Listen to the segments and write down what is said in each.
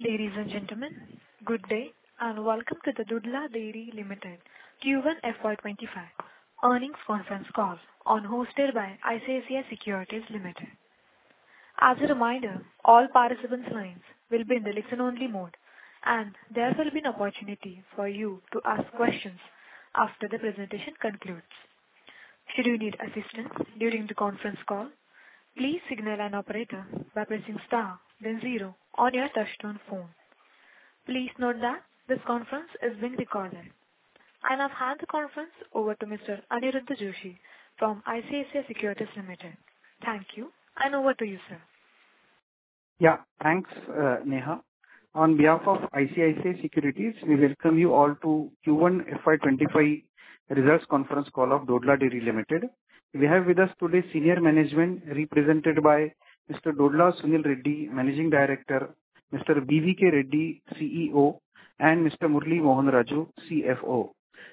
Ladies and gentlemen, good day and welcome to the Dodla Dairy Limited Q1 FY 2025 Earnings Conference Call, hosted by ICICI Securities Limited. As a reminder, all participants' lines will be in the listen-only mode, and there will be an opportunity for you to ask questions after the presentation concludes. Should you need assistance during the conference call, please signal an operator by pressing star, then zero on your touch-tone phone. Please note that this conference is being recorded, and I've handed the conference over to Mr. Aniruddha Joshi from ICICI Securities Limited. Thank you, and over to you, sir. Yeah, thanks, Neha. On behalf of ICICI Securities, we welcome you all to Q1 FY 2025 results conference call of Dodla Dairy Limited. We have with us today senior management, represented by Mr. Dodla Sunil Reddy, Managing Director, Mr. B. V. K. Reddy, CEO, and Mr. Murali Mohan Raju, CFO.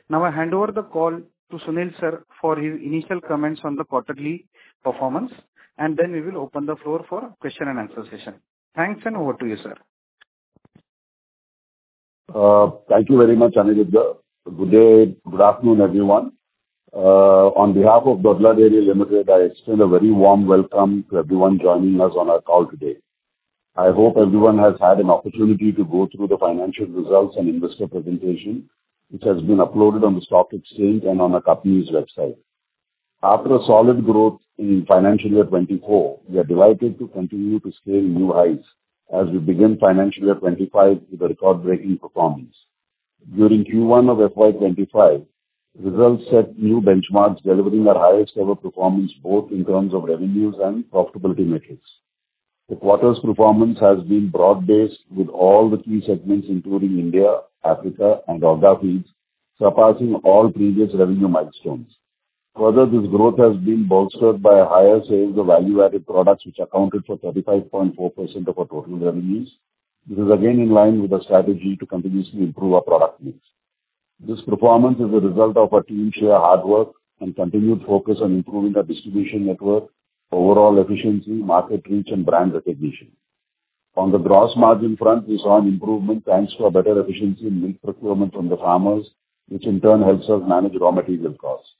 Now, I hand over the call to Sunil sir for his initial comments on the quarterly performance, and then we will open the floor for question and answer session. Thanks, and over to you, sir. Thank you very much, Aniruddha. Good day, good afternoon, everyone. On behalf of Dodla Dairy Limited, I extend a very warm welcome to everyone joining us on our call today. I hope everyone has had an opportunity to go through the financial results and investor presentation, which has been uploaded on the Stock Exchange and on our company's website. After a solid growth in financial year 2024, we are delighted to continue to scale new highs as we begin financial year 2025 with a record-breaking performance. During Q1 of FY 2025, results set new benchmarks, delivering our highest-ever performance both in terms of revenues and profitability metrics. The quarter's performance has been broad-based with all the key segments, including India, Africa, and other fields, surpassing all previous revenue milestones. Further, this growth has been bolstered by higher sales of value-added products, which accounted for 35.4% of our total revenues. This is again in line with our strategy to continuously improve our product mix. This performance is the result of our team's sheer hard work and continued focus on improving our distribution network, overall efficiency, market reach, and brand recognition. On the gross margin front, we saw an improvement thanks to better efficiency in milk procurement from the farmers, which in turn helps us manage raw material costs.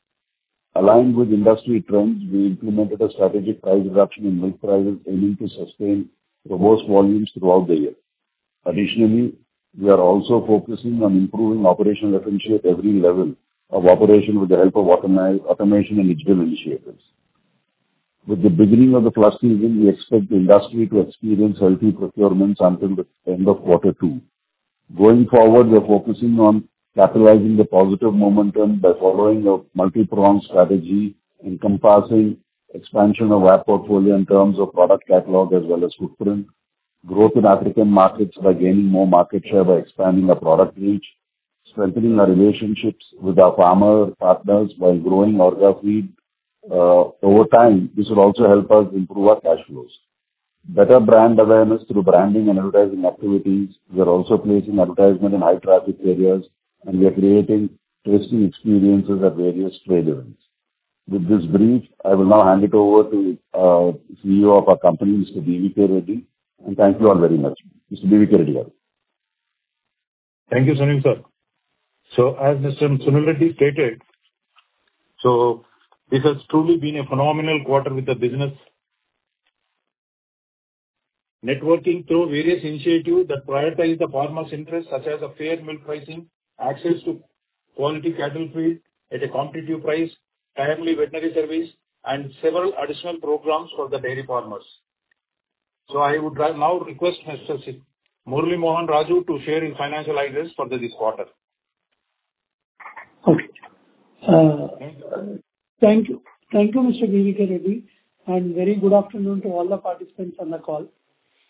Aligned with industry trends, we implemented a strategic price reduction in milk prices, aiming to sustain robust volumes throughout the year. Additionally, we are also focusing on improving operational efficiency at every level of operation with the help of automation and digital initiatives. With the beginning of the first season, we expect the industry to experience healthy procurements until the end of quarter two. Going forward, we are focusing on capitalizing the positive momentum by following a multi-pronged strategy, encompassing expansion of our portfolio in terms of product catalog as well as footprint, growth in African markets by gaining more market share by expanding our product reach, strengthening our relationships with our farmer partners while growing our feed. Over time, this will also help us improve our cash flows. Better brand awareness through branding and advertising activities. We are also placing advertisement in high-traffic areas, and we are creating tasting experiences at various trade events. With this brief, I will now hand it over to the CEO of our company, Mr. B. V. K. Reddy, and thank you all very much. Mr. B. V. K. Reddy, you have it. Thank you, Sunil sir. So, as Mr. Sunil Reddy stated, so this has truly been a phenomenal quarter with the business growing through various initiatives that prioritize the farmer's interests, such as a fair milk pricing, access to quality cattle feed at a competitive price, timely veterinary service, and several additional programs for the dairy farmers. So I would now request Mr. Murali Mohan Raju to share his financials for this quarter. Okay. Thank you. Thank you, Mr. B. V. K. Reddy, and very good afternoon to all the participants on the call.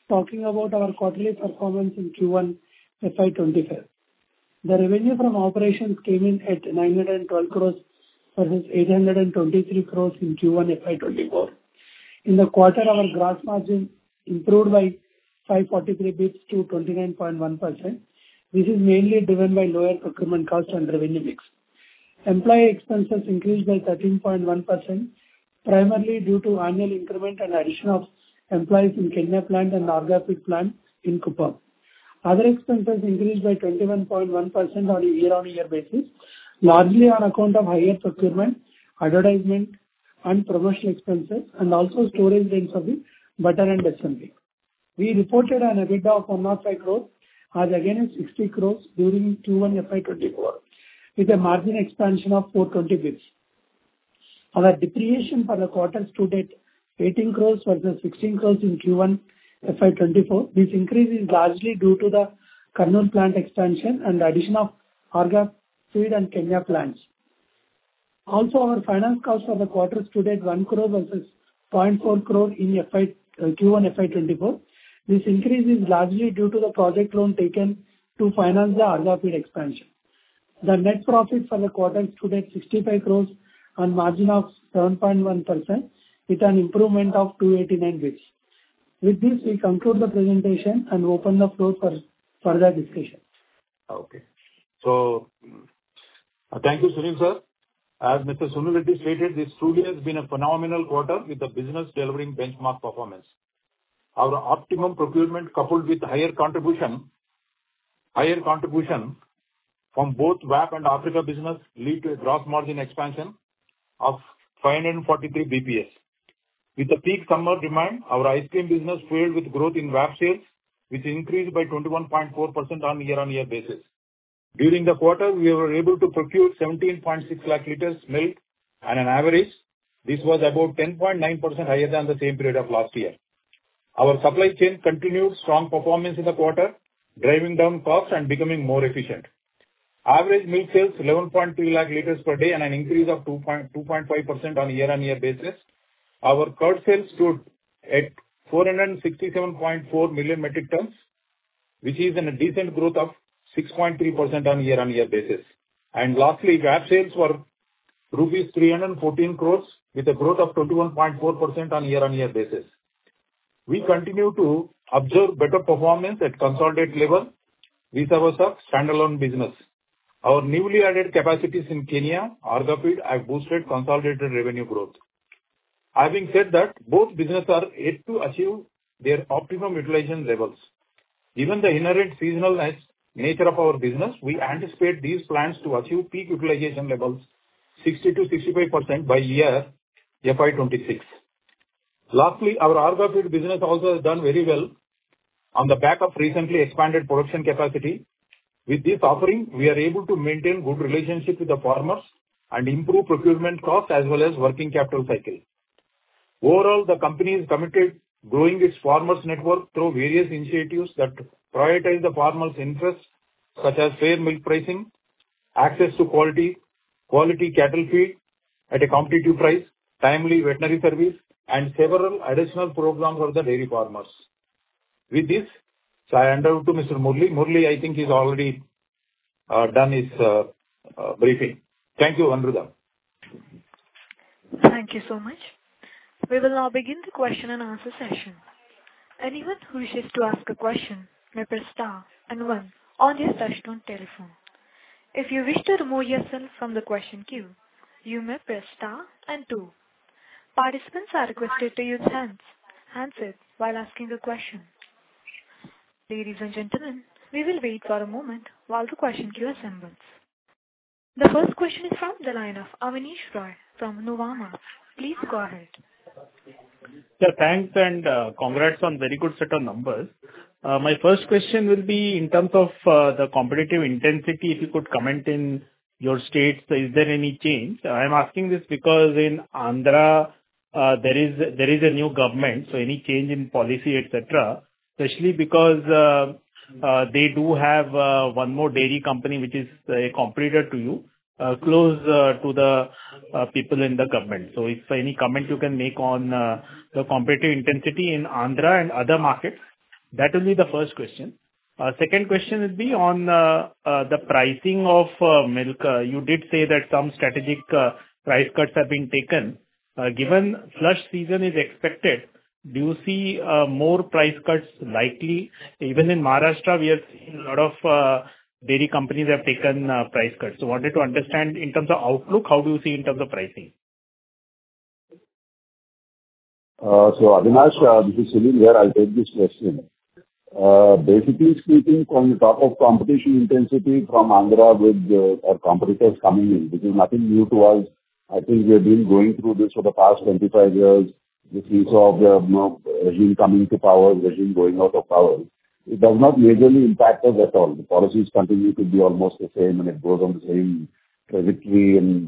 Talking about our quarterly performance in Q1 FY 2025, the revenue from operations came in at 912 crore versus 823 crore in Q1 FY 2024. In the quarter, our gross margin improved by 543 basis points to 29.1%, which is mainly driven by lower procurement cost and revenue mix. Employee expenses increased by 13.1%, primarily due to annual increment and addition of employees in Kenya plant and Orgafeed plant in Kuppam. Other expenses increased by 21.1% on a year-on-year basis, largely on account of higher procurement, advertisement, and promotional expenses, and also storage rates of butter and buttermilk. We reported an EBITDA of 105 crore, against 60 crore during Q1 FY 2024, with a margin expansion of 420 basis points. Our depreciation for the quarters to date: 18 crore versus 16 crore in Q1 FY 2024. This increase is largely due to the Kurnool plant expansion and the addition of Orgafeed and Kenya plants. Also, our finance cost for the quarters to date: 1 crore versus 0.4 crore in Q1 FY 2024. This increase is largely due to the project loan taken to finance the Orgafeed expansion. The net profit for the quarters to date: 65 crore on margin of 7.1%, with an improvement of 289 basis points. With this, we conclude the presentation and open the floor for further discussion. Okay. Thank you, Sunil sir. As Mr. Sunil Reddy stated, this truly has been a phenomenal quarter with the business delivering benchmark performance. Our optimum procurement, coupled with higher contribution from both VAP and Africa business, led to a gross margin expansion of 543 basis points. With the peak summer demand, our ice cream business fueled growth in VAP sales, which increased by 21.4% on a year-on-year basis. During the quarter, we were able to procure 17.6 lakh liters of milk on an average. This was about 10.9% higher than the same period of last year. Our supply chain continued strong performance in the quarter, driving down costs and becoming more efficient. Average milk sales: 11.3 lakh liters per day on an increase of 2.5% on a year-on-year basis. Our curd sales stood at 467.4 million metric tons, which is a decent growth of 6.3% on a year-on-year basis. Lastly, VAP sales were rupees 314 crore, with a growth of 21.4% on a year-on-year basis. We continue to observe better performance at consolidated level vis-à-vis our standalone business. Our newly added capacities in Kenya, Orgafeed have boosted consolidated revenue growth. Having said that, both businesses are yet to achieve their optimum utilization levels. Given the inherent seasonal nature of our business, we anticipate these plans to achieve peak utilization levels: 60%-65% by year FY 2026. Lastly, our Orgafeed business also has done very well on the back of recently expanded production capacity. With this offering, we are able to maintain good relationships with the farmers and improve procurement costs as well as working capital cycle. Overall, the company is committed to growing its farmers' network through various initiatives that prioritize the farmer's interests, such as fair milk pricing, access to quality, quality cattle feed at a competitive price, timely veterinary service, and several additional programs for the dairy farmers. With this, I hand over to Mr. Murali. Murali, I think he's already done his briefing. Thank you, Aniruddha. Thank you so much. We will now begin the question and answer session. Anyone who wishes to ask a question may press star and one on your touch-tone telephone. If you wish to remove yourself from the question queue, you may press star and two. Participants are requested to use handsets while asking a question. Ladies and gentlemen, we will wait for a moment while the question queue assembles. The first question is from the line of Abneesh Roy from Nuvama. Please go ahead. Thanks and congrats on a very good set of numbers. My first question will be in terms of the competitive intensity, if you could comment in your states, is there any change? I'm asking this because in Andhra, there is a new government, so any change in policy, etc., especially because they do have one more dairy company, which is a competitor to you, close to the people in the government. So if any comment you can make on the competitive intensity in Andhra and other markets, that will be the first question. Second question would be on the pricing of milk. You did say that some strategic price cuts have been taken. Given flush season is expected, do you see more price cuts likely? Even in Maharashtra, we have seen a lot of dairy companies have taken price cuts. I wanted to understand in terms of outlook, how do you see in terms of pricing? Abneesh, this is Sunil here. I'll take this question. Basically speaking, on top of competition intensity from Andhra with our competitors coming in, which is nothing new to us. I think we have been going through this for the past 25 years, since the regime coming to power, regime going out of power. It does not majorly impact us at all. The policies continue to be almost the same, and it goes on the same trajectory, and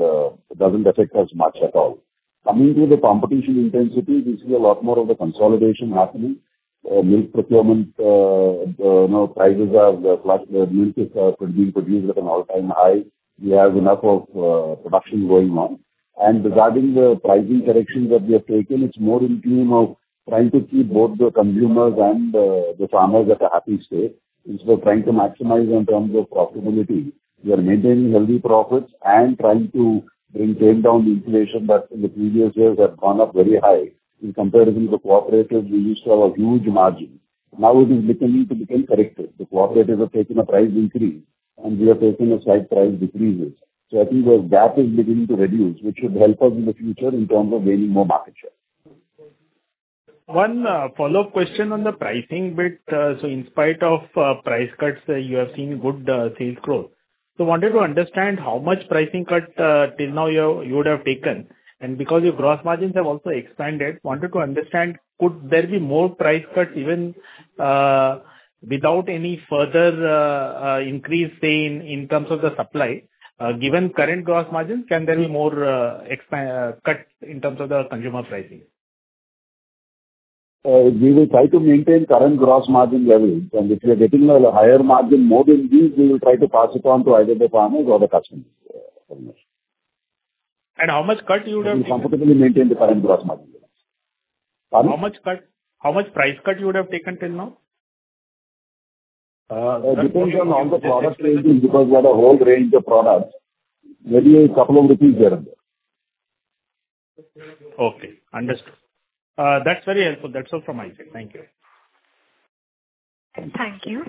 it doesn't affect us much at all. Coming to the competition intensity, we see a lot more of the consolidation happening. Milk procurement prices are at an all-time high. We have enough production going on. And regarding the pricing correction that we have taken, it's more in the name of trying to keep both the consumers and the farmers at a happy state instead of trying to maximize in terms of profitability. We are maintaining healthy profits and trying to bring down the inflation that in the previous years had gone up very high in comparison to the cooperatives we used to have a huge margin. Now it is beginning to become corrected. The cooperatives have taken a price increase, and we have taken a slight price decreases. So I think the gap is beginning to reduce, which should help us in the future in terms of gaining more market share. One follow-up question on the pricing bit. So in spite of price cuts, you have seen good sales growth. So I wanted to understand how much pricing cut till now you would have taken. And because your gross margins have also expanded, I wanted to understand, could there be more price cuts even without any further increase in terms of the supply? Given current gross margins, can there be more cuts in terms of the consumer pricing? We will try to maintain current gross margin levels, and if we are getting a higher margin more than these, we will try to pass it on to either the farmers or the customers. How much cut you would have? We will comfortably maintain the current gross margin. Pardon? How much price cut you would have taken till now? It depends on all the product ranges because we are a whole range of products. Maybe a couple of rupees here and there. Okay. Understood. That's very helpful. That's all from my side. Thank you. Thank you.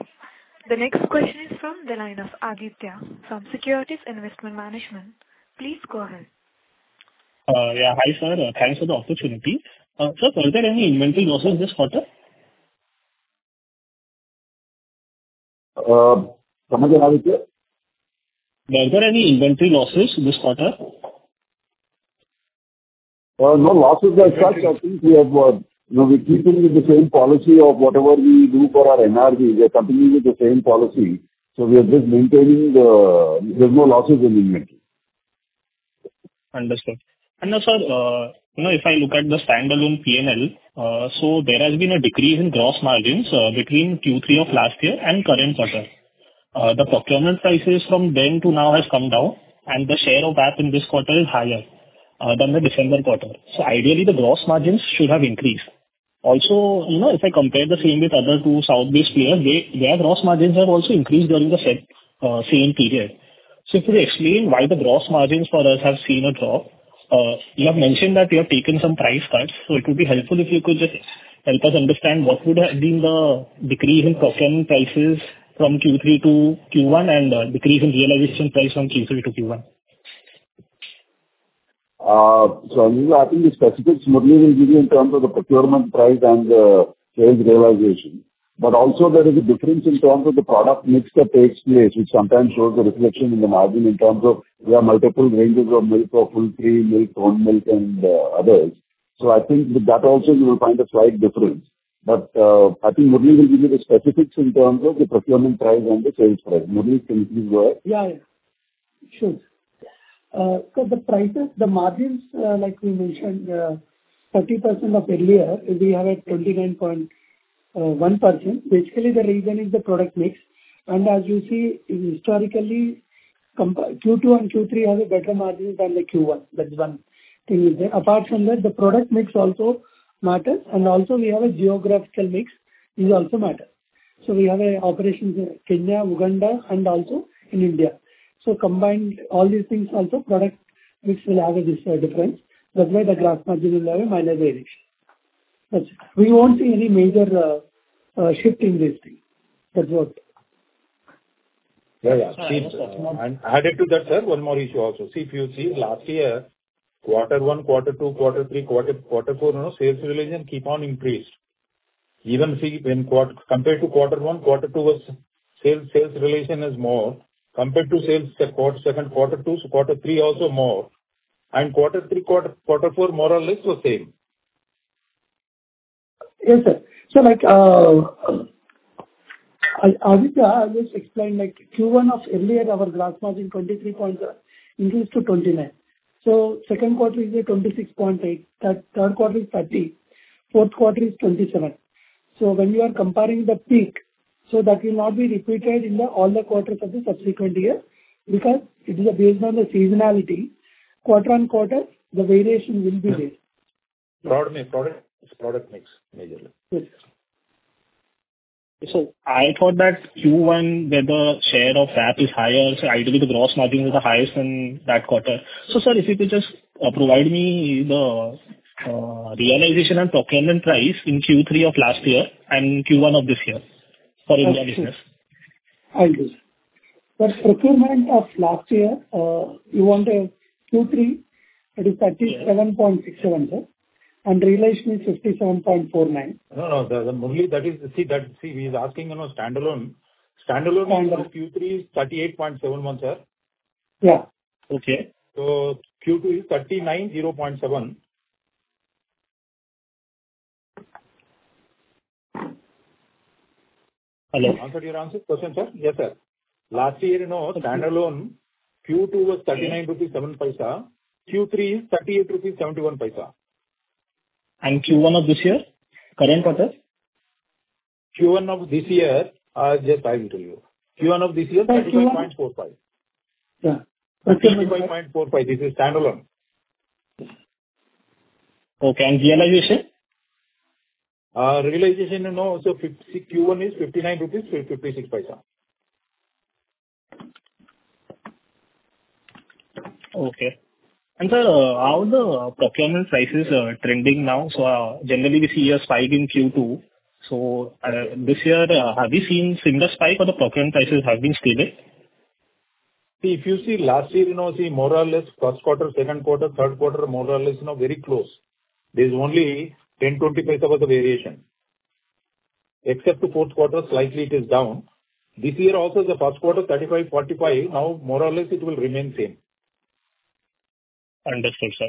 The next question is from the line of Aditya from Securities Investment Management. Please go ahead. Yeah. Hi sir. Thanks for the opportunity. Sir, were there any inventory losses this quarter? Come again, Aditya. Were there any inventory losses this quarter? No losses as such. I think we have been keeping the same policy of whatever we do for our NRV. We are continuing with the same policy. So we are just maintaining that there's no losses in inventory. Understood. And now, sir, if I look at the standalone P&L, so there has been a decrease in gross margins between Q3 of last year and current quarter. The procurement prices from then to now have come down, and the share of VAP in this quarter is higher than the December quarter. So ideally, the gross margins should have increased. Also, if I compare the same with other two South-based players, their gross margins have also increased during the same period. So if you could explain why the gross margins for us have seen a drop, you have mentioned that you have taken some price cuts. So it would be helpful if you could just help us understand what would have been the decrease in procurement prices from Q3 to Q1 and decrease in realization price from Q3 to Q1. So I think the specifics Murali will give you in terms of the procurement price and the sales realization. But also, there is a difference in terms of the product mix that takes place, which sometimes shows the reflection in the margin in terms of there are multiple ranges of milk or full cream milk, whole milk, and others. So I think with that also, you will find a slight difference. But I think Murali will give you the specifics in terms of the procurement price and the sales price. Murali, can you please go ahead? Yeah. Sure. So the prices, the margins, like we mentioned, 30% or earlier, we have at 29.1%. Basically, the reason is the product mix. And as you see, historically, Q2 and Q3 have a better margin than the Q1. That's one thing there. Apart from that, the product mix also matters. And also, we have a geographical mix. It also matters. So we have operations in Kenya, Uganda, and also in India. So combined, all these things also, product mix will have a difference. That's why the gross margin will have a minor variation. We won't see any major shift in these things. That's all. Yeah. Yeah. And added to that, sir, one more issue also. See, if you see, last year, quarter one, quarter two, quarter three, quarter four, sales realization keep on increased. Even compared to quarter one, quarter two, sales realization is more compared to sales second quarter two. So quarter three also more. And quarter three, quarter four, more or less the same. Yes, sir. So Aditya, I'll just explain. Q1 of earlier, our gross margin 23.7% increased to 29%. So second quarter is 26.8%. Third quarter is 30%. Fourth quarter is 27%. So when you are comparing the peak, so that will not be repeated in all the quarters of the subsequent year because it is based on the seasonality. Quarter on quarter, the variation will be there. Product mix majorly. So, I thought that Q1, where the share of VAP is higher, so I believe the gross margin is the highest in that quarter. So, sir, if you could just provide me the realization and procurement price in Q3 of last year and Q1 of this year for India business. I'll do. But procurement of last year you want to have Q3, it is 37.67 sir. And realization is 57.49. No, no. Murali, see, we are asking standalone. Standalone Q3 is 38.71, sir. Yeah. Okay. So Q2 is 39.07. Hello? Answered your question, sir? Yes, sir. Last year, standalone, Q2 was 39.75. Q3 is 38.71. Q1 of this year? Current quarter? Q1 of this year, I'll just tell you. Q1 of this year, 35.45. Yeah. This is standalone. Okay. And realization? Realization, no. So Q1 is 59.56 crore rupees. Okay. And sir, how the procurement price is trending now? So generally, we see a spike in Q2. So this year, have you seen similar spike or the procurement prices have been stable? See, if you see last year, more or less, first quarter, second quarter, third quarter, more or less, very close. There's only 10.25 of a variation. Except for fourth quarter, slightly it is down. This year also, the first quarter, 35.45. Now, more or less, it will remain same. Understood, sir.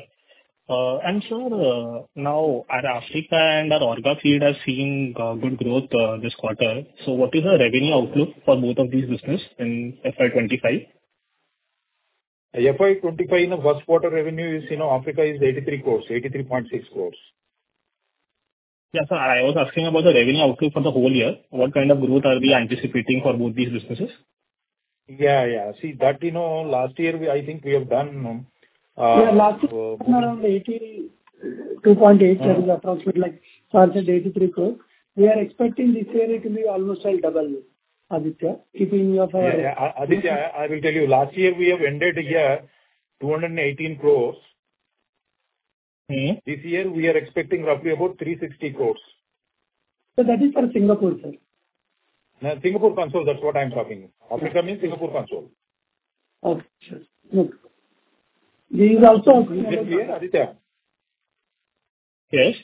And sir, now, our Africa and our Orgafeed have seen good growth this quarter. So what is the revenue outlook for both of these businesses in FY 2025? FY 2025 first quarter revenue in Africa is 83 crore, 83.6 crore. Yeah, sir. I was asking about the revenue outlook for the whole year. What kind of growth are we anticipating for both these businesses? Yeah. See, last year, I think we have done. Yeah. Last year, around 82.8 crore, approximately like 83 crore. We are expecting this year it will be almost double, Aditya, keeping you for. Aditya, I will tell you, last year we have ended here 218 crore. This year, we are expecting roughly about 360 crore. So that is for Singapore, sir. Singapore Consol, that's what I'm talking. Africa means Singapore Consol. Okay. Sure. Okay. This is also okay. This year, Aditya? Yes.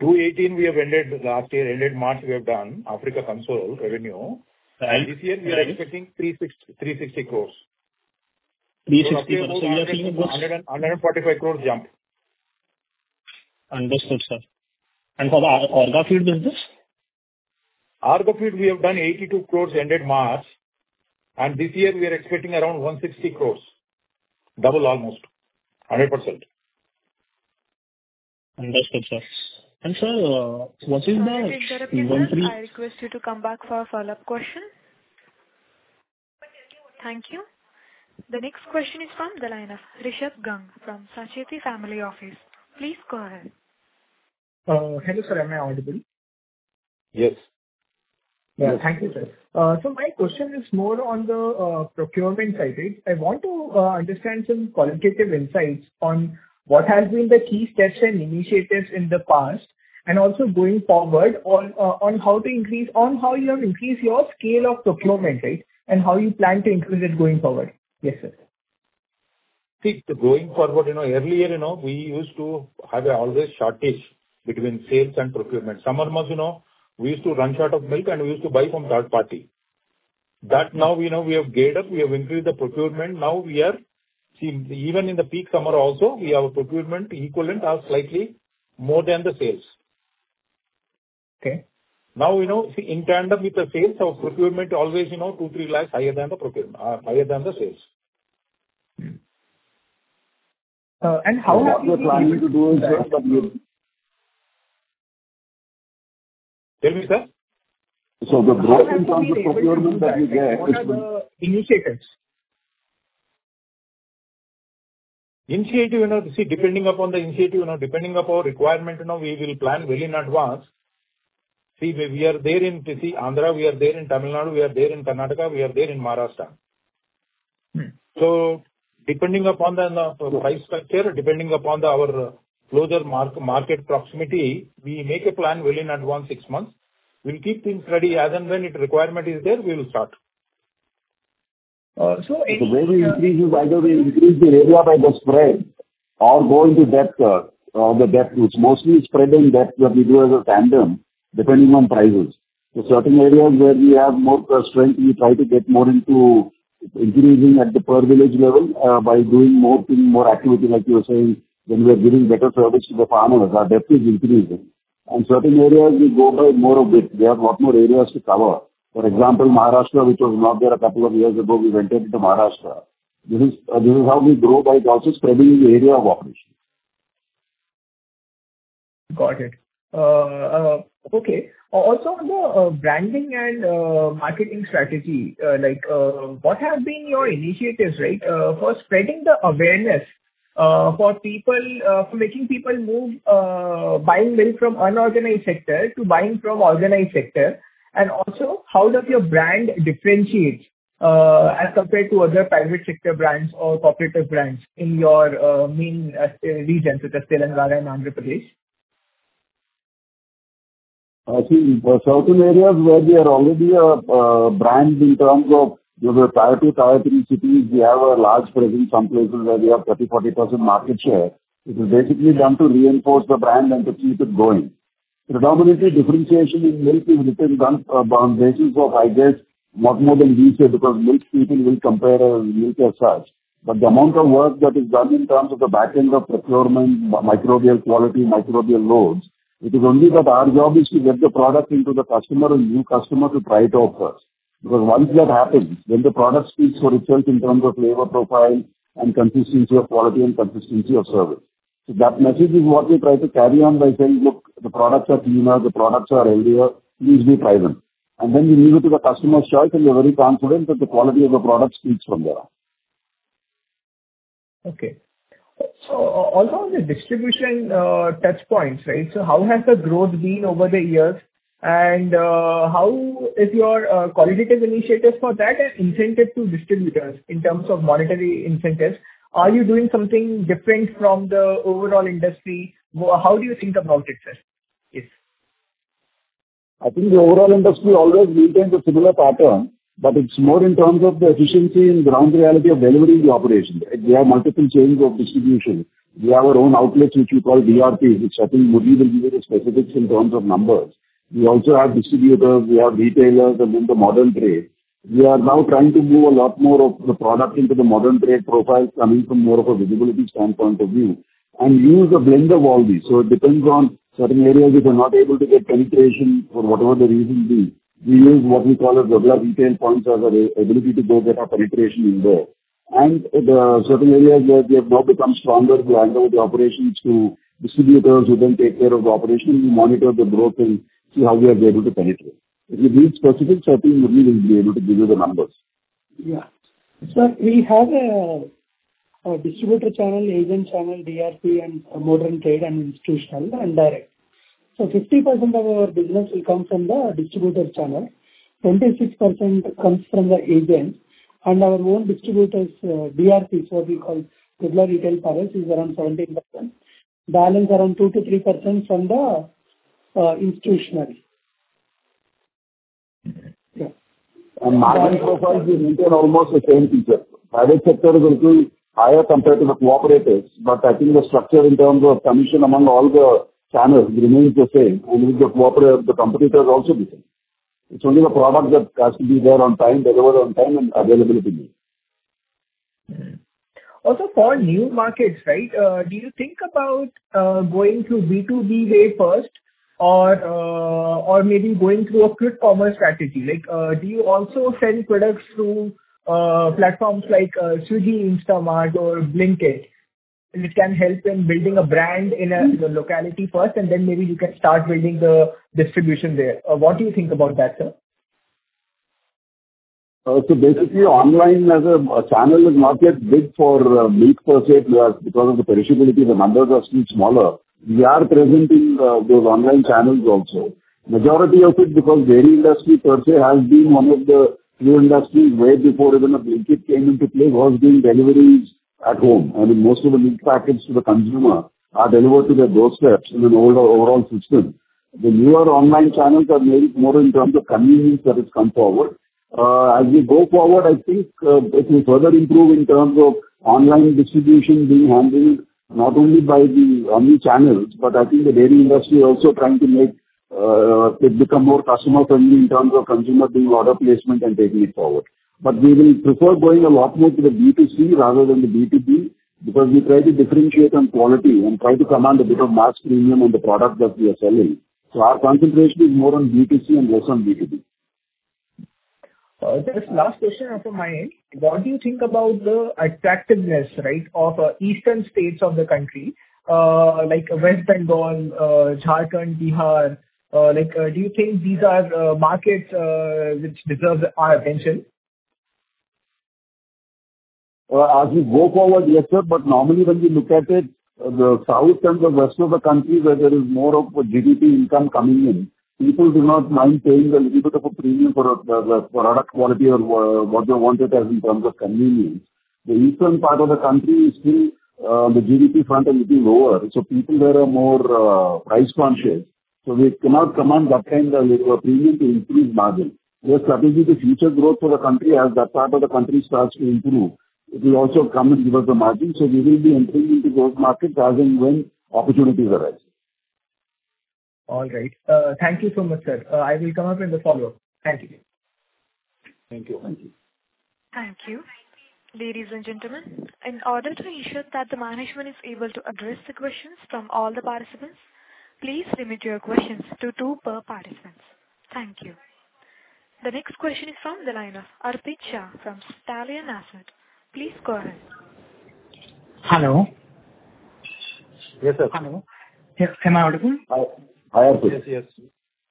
We have ended last year. Ended March, we have done Africa consolidated revenue. And this year, we are expecting 360 crore. 360 crore. So we are seeing about. 145 crore jump. Understood, sir. And for the Orgafeed business? Orgafeed, we have done 82 crore ended March. And this year, we are expecting around 160 crore. Double almost. 100%. Understood, sir. And sir, what is the? Aditya, I request you to come back for a follow-up question. Thank you. The next question is from the line of Rishabh Gang from Sacheti Family Office. Please go ahead. Hello sir, am I audible? Yes. Yeah. Thank you, sir. So my question is more on the procurement side, right? I want to understand some qualitative insights on what has been the key steps and initiatives in the past and also going forward on how to increase on how you have increased your scale of procurement, right, and how you plan to increase it going forward. Yes, sir. See, going forward, earlier, we used to have always shortage between sales and procurement. Summer months, we used to run short of milk, and we used to buy from third party. That now we have geared up. We have increased the procurement. Now we are, see, even in the peak summer also, we have a procurement equivalent of slightly more than the sales. Okay. Now, in tandem with the sales, our procurement always 2 lakh-3 lakh higher than the sales. How have you been able to do this? Tell me, sir. initiatives? Initiative, see, depending upon the initiative, depending upon our requirement, we will plan well in advance. See, we are there in Andhra, we are there in Tamil Nadu, we are there in Karnataka, we are there in Maharashtra. So depending upon the price structure, depending upon our closer market proximity, we make a plan well in advance, six months. We'll keep things ready as and when requirement is there, we will start. So it. So where we increase is either we increase the area by the spread or go into depth, the depth. It's mostly spreading depth that we do as a tandem, depending on prices. So certain areas where we have more strength, we try to get more into increasing at the per village level by doing more activity, like you were saying, when we are giving better service to the farmers. Our depth is increasing. And certain areas, we go by more of it. We have a lot more areas to cover. For example, Maharashtra, which was not there a couple of years ago, we went into Maharashtra. This is how we grow by also spreading the area of operation. Got it. Okay. Also on the branding and marketing strategy, what have been your initiatives, right, for spreading the awareness for making people move buying milk from unorganized sector to buying from organized sector? And also, how does your brand differentiate as compared to other private sector brands or cooperative brands in your main region, such as Telangana and Andhra Pradesh? See, for certain areas where we are already a brand in terms of Tier 2, Tier 3 cities, we have a large presence some places where we have 30%-40% market share. It is basically done to reinforce the brand and to keep it going. Predominantly, differentiation in milk is done on basis of, I guess, not more than we said because milk people will compare milk as such. But the amount of work that is done in terms of the backend of procurement, microbial quality, microbial loads, it is only that our job is to get the product into the customer and new customer to try it out first. Because once that happens, then the product speaks for itself in terms of flavor profile and consistency of quality and consistency of service. So that message is what we try to carry on by saying, "Look, the products are cleaner. The products are healthier. "Please be private." And then we leave it to the customer's choice, and we are very confident that the quality of the product speaks from there. Okay. So also on the distribution touchpoints, right, so how has the growth been over the years? And how is your qualitative initiatives for that and incentive to distributors in terms of monetary incentives? Are you doing something different from the overall industry? How do you think about it, sir? I think the overall industry always maintains a similar pattern, but it's more in terms of the efficiency and ground reality of delivering the operation. We have multiple chains of distribution. We have our own outlets, which we call DRPs, which I think Murali will give you the specifics in terms of numbers. We also have distributors. We have retailers and then the modern trade. We are now trying to move a lot more of the product into the modern trade profile coming from more of a visibility standpoint of view and use a blend of all these. So it depends on certain areas if we're not able to get penetration for whatever the reason be. We use what we call as regular retail points as our ability to go get our penetration in there. Certain areas where we have now become stronger, we hand over the operations to distributors who then take care of the operation, monitor the growth, and see how we are able to penetrate. If you need specifics or things, Murali will be able to give you the numbers. Yeah. So we have a distributor channel, agent channel, DRP, and modern trade and institutional and direct. So 50% of our business will come from the distributor channel. 26% comes from the agent. And our own distributors, DRPs, what we call regular retail products is around 17%. Balance around 2%-3% from the institutional. Market profile will maintain almost the same feature. Private sector will be higher compared to the cooperators. I think the structure in terms of commission among all the channels remains the same. With the competitors also, it's only the product that has to be there on time, delivered on time, and available to you. Also for new markets, right, do you think about going through B2B way first or maybe going through a quick commerce strategy? Do you also send products through platforms like Swiggy, Instamart, or Blinkit? And it can help in building a brand in a locality first, and then maybe you can start building the distribution there. What do you think about that, sir? So basically, online as a channel is not yet big for milk per se because of the perishability. The numbers are still smaller. We are presenting those online channels also. Majority of it, because the dairy industry per se has been one of the few industries way before even a Blinkit came into play, was doing deliveries at home. I mean, most of the milk packets to the consumer are delivered to their doorsteps in an older overall system. The newer online channels are made more in terms of convenience that has come forward. As we go forward, I think it will further improve in terms of online distribution being handled not only by the only channels, but I think the dairy industry also trying to make it become more customer-friendly in terms of consumer being order placement and taking it forward. But we will prefer going a lot more to the B2C rather than the B2B because we try to differentiate on quality and try to command a bit of mass premium on the product that we are selling. So our concentration is more on B2C and less on B2B. Just last question from my end. What do you think about the attractiveness, right, of eastern states of the country, like West Bengal, Jharkhand, Bihar? Do you think these are markets which deserve our attention? As we go forward, yes, sir. But normally, when you look at it, the south and the west of the country where there is more of a GDP income coming in, people do not mind paying a little bit of a premium for the product quality or what they want it as in terms of convenience. The eastern part of the country is still the GDP front is a bit lower. So people there are more price conscious. So we cannot command that kind of premium to increase margin. The strategy is the future growth for the country as that part of the country starts to improve. It will also come and give us the margin. So we will be entering into those markets as and when opportunities arise. All right. Thank you so much, sir. I will come up in the follow-up. Thank you. Thank you. Thank you. Thank you. Ladies and gentlemen, in order to ensure that the management is able to address the questions from all the participants, please limit your questions to two per participant. Thank you. The next question is from the line of Arpit Shah from Stallion Asset. Please go ahead. Hello. Yes, sir. Hello. Am I audible? I am. Yes, yes.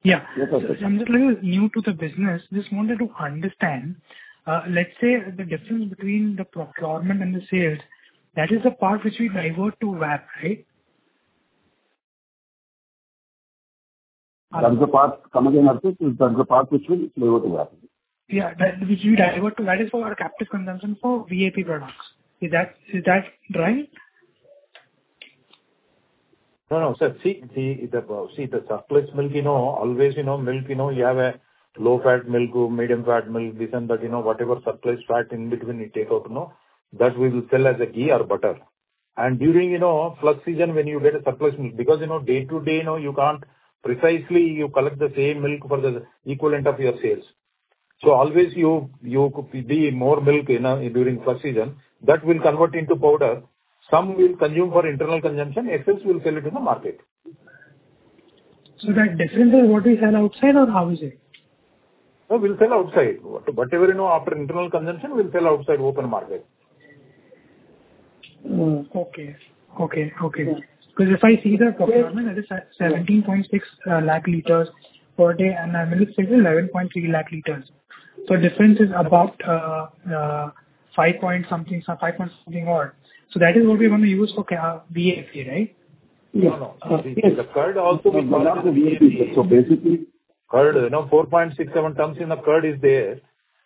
Yeah. Yes, sir. I'm just a little new to the business. Just wanted to understand, let's say the difference between the procurement and the sales, that is the part which we divert to VAP, right? That's the part. That's the part which we divert to VAP. Yeah. Which we divert to, that is for our captive consumption for VAP products. Is that right? No, no, sir. See, the surplus milk, always milk, we have a low-fat milk, medium-fat milk, this and that, whatever surplus fat in between we take out, that we will sell as a ghee or butter. And during flush season, when you get a surplus milk, because day to day, you can't precisely collect the same milk for the equivalent of your sales. So always you could be more milk during flush season. That will convert into powder. Some will consume for internal consumption. Excess will sell it in the market. So that difference is what we sell outside or how is it? We'll sell outside. Whatever after internal consumption, we'll sell outside open market. Okay. Because if I see the procurement, that is 17.6 lakh liters per day, and I will say 11.3 lakh liters. So difference is about 5 point something or something more. So that is what we want to use for VAP, right? Yes. The curd also we call it the VAP. So basically, curd, 4.67 tons in the curd is there.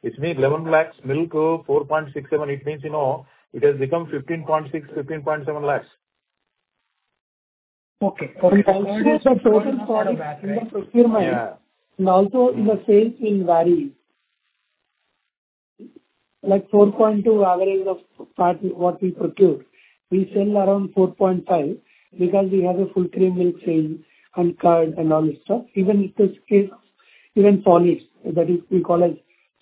It means 11 lakh milk, 4.67. It means it has become 15.6, 15.7 lakh. Okay. So we sell the total product in the procurement. And also in the sales in variety, like 4.2% average of what we procure. We sell around 4.5% because we have a full cream milk sale and curd and all this stuff. Even solids, that is, we call as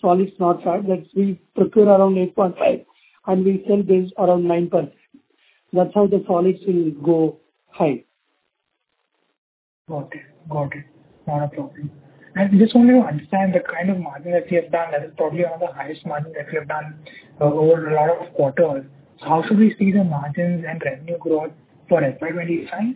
solids-not-fat, that we procure around 8.5%. And we sell this around 9%. That's how the solids will go high. Got it. Got it. Not a problem. And just wanted to understand the kind of margin that you have done. That is probably one of the highest margins that you have done over a lot of quarters. How should we see the margins and revenue growth for FY 2025?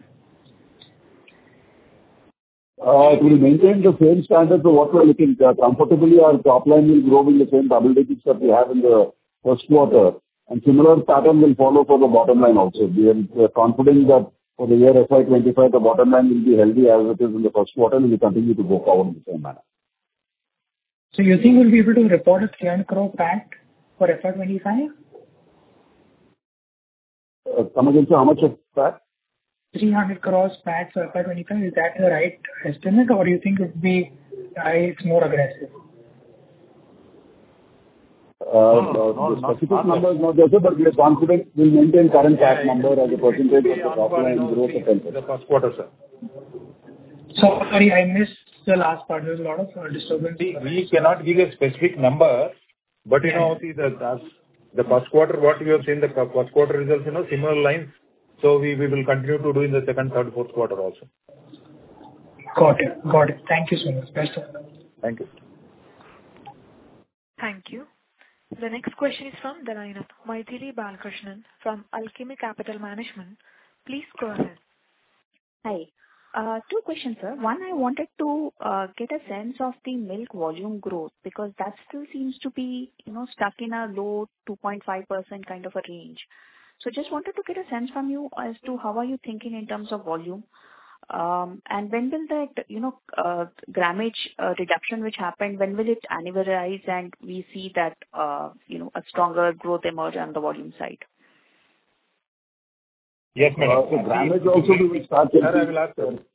We will maintain the same standard for what we are looking at. Comfortably, our top line will grow in the same double digits that we have in the first quarter, and similar pattern will follow for the bottom line also. We are confident that for the year FY 2025, the bottom line will be healthy as it is in the first quarter, and we continue to go forward in the same manner. So you think we'll be able to report INR 10 crore PAT for FY 2025? How much is that? 300 crore PAT for FY 2025. Is that the right estimate, or do you think it's more aggressive? The specific numbers not yet, sir, but we are confident we'll maintain current PAT number as a percentage of the top line growth attempted. The first quarter, sir. Sorry, I missed the last part. There's a lot of disturbance. We cannot give a specific number, but see, the first quarter, what we have seen, the first quarter results, similar lines. So we will continue to do in the second, third, fourth quarter also. Got it. Got it. Thank you so much. Best of luck. Thank you. Thank you. The next question is from the line of Mythili Balakrishnan from Alchemy Capital Management. Please go ahead. Hi. Two questions, sir. One, I wanted to get a sense of the milk volume growth because that still seems to be stuck in a low 2.5% kind of a range. So just wanted to get a sense from you as to how are you thinking in terms of volume. And when will that grammage reduction which happened, when will it reverse and we see that a stronger growth emerge on the volume side? Yes, ma'am.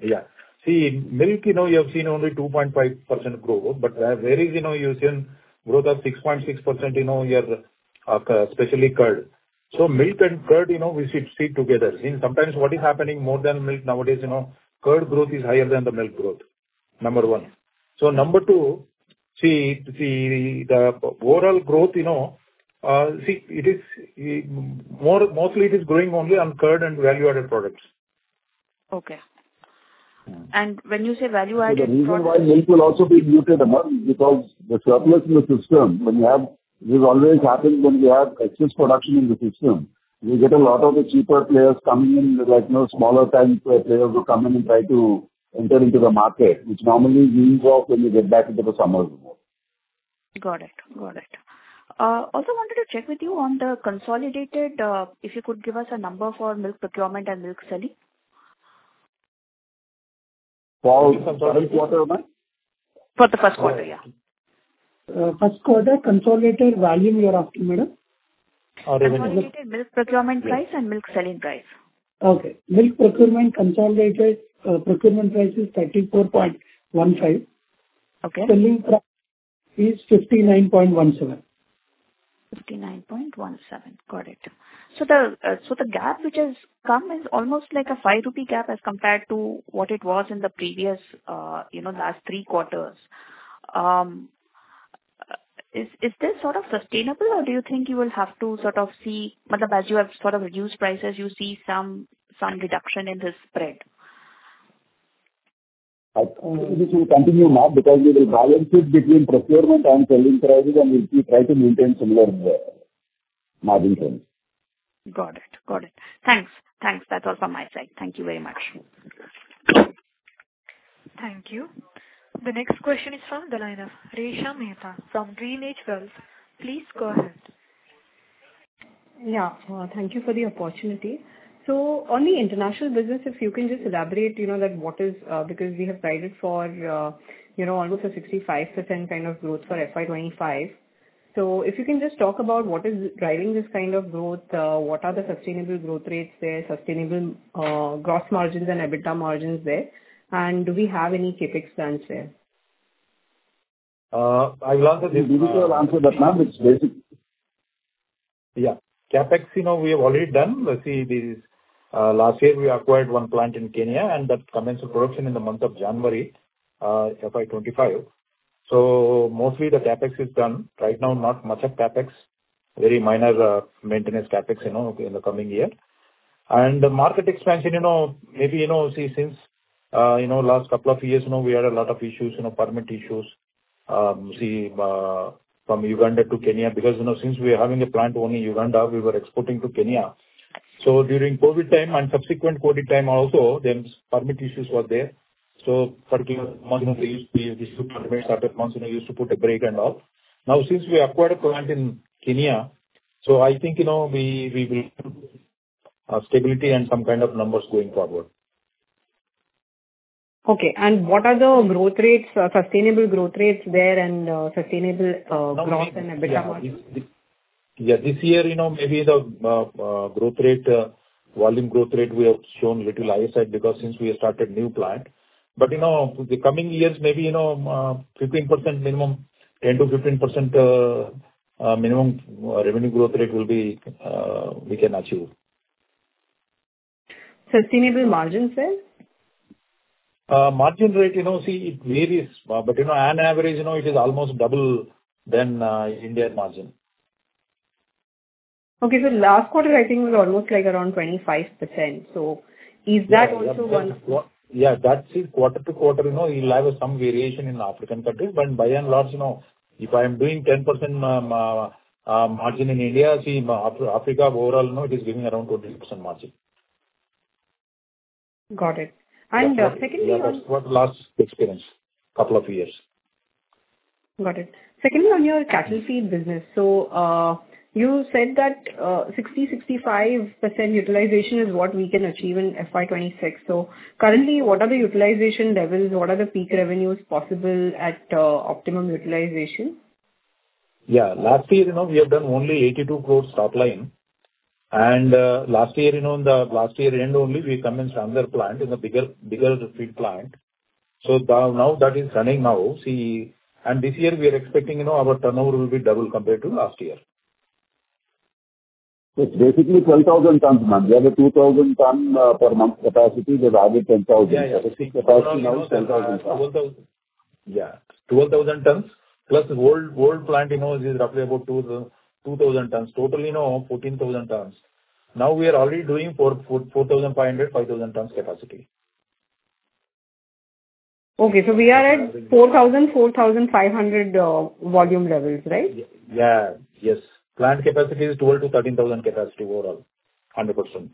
Yeah. See, milk, you have seen only 2.5% growth, but whereas you've seen growth of 6.6%, especially curd. So milk and curd, we should see together. See, sometimes what is happening more than milk nowadays, curd growth is higher than the milk growth, number one. So number two, see, the overall growth, see, mostly it is growing only on curd and value-added products. Okay, and when you say value-added product? Milk will also be muted because the surplus in the system, when you have this, always happens when you have excess production in the system. We get a lot of the cheaper players coming in, smaller tank players who come in and try to enter into the market, which normally means when you get back into the summer. Got it. Got it. Also wanted to check with you on the consolidated, if you could give us a number for milk procurement and milk selling? For the first quarter? For the first quarter, yeah. First quarter consolidated volume, you're asking, madam? Or revenue? Consolidated milk procurement price and milk selling price. Okay. Milk procurement consolidated procurement price is INR 34.15. Selling price is INR 59.17. Got it. So the gap which has come is almost like a 5 rupee gap as compared to what it was in the previous last three quarters. Is this sort of sustainable, or do you think you will have to sort of see, as you have sort of reduced prices, you see some reduction in this spread? We will continue now because we will balance it between procurement and selling prices, and we'll try to maintain similar margin trends. Got it. Thanks. That's all from my side. Thank you very much. Thank you. The next question is from the line of Resha Mehta from Green Edge Wealth. Please go ahead. Yeah. Thank you for the opportunity. So on the international business, if you can just elaborate that what is because we have guided for almost a 65% kind of growth for FY 2025. So if you can just talk about what is driving this kind of growth, what are the sustainable growth rates there, sustainable gross margins and EBITDA margins there, and do we have any CaEex plans there? I will answer individually, but now it's basic, yeah. CapEx, we have already done. See, last year we acquired one plant in Kenya, and that commenced production in the month of January FY 2025. So mostly the CapEx is done. Right now, not much of CapEx, very minor maintenance CapEx in the coming year, and the market expansion. Maybe see, since last couple of years, we had a lot of issues, permit issues. See, from Uganda to Kenya because since we are having a plant only in Uganda, we were exporting to Kenya. So during COVID time and subsequent COVID time also, there were permit issues there. So in particular months, we used to get permits in certain months, we used to put a break and all. Now, since we acquired a plant in Kenya, so I think we will have stability and some kind of numbers going forward. Okay. And what are the growth rates, sustainable growth rates there and sustainable gross and EBITDA margin? Yeah. This year, maybe the growth rate, volume growth rate, we have shown a little higher side because since we have started new plant, but the coming years, maybe 15% minimum, 10%-15% minimum revenue growth rate will be we can achieve. Sustainable margins then? Margin rate, see, it varies. But on average, it is almost double than India margin. Okay. So last quarter, I think it was almost like around 25%. So is that also one? Yeah. That's it. Quarter to quarter, we'll have some variation in African countries. But by and large, if I am doing 10% margin in India, see, Africa overall, it is giving around 20% margin. Got it, and secondly. That's what last experience, couple of years. Got it. Secondly, on your cattle feed business, so you said that 60%-65% utilization is what we can achieve in FY 2026. So currently, what are the utilization levels? What are the peak revenues possible at optimum utilization? Yeah. Last year, we have done only 82 crore top line. And last year, in the last year end only, we commenced another plant in a bigger feed plant. So now that is running now. See, and this year, we are expecting our turnover will be double compared to last year. It's basically 12,000 tons a month. We have a 2,000-ton per month capacity. The target 10,000. The capacity now is 10,000 tons. Yeah. 12,000 tons. Plus the old plant is roughly about 2,000 tons. Total, 14,000 tons. Now we are already doing 4,500-5,000 tons capacity. Okay. So we are at 4,000, 4,500 volume levels, right? Yeah. Yes. Plant capacity is 12 to 13,000 capacity overall, 100%.